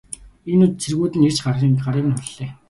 Энэ үед цэргүүд нь ирж гарыг нь хүллээ.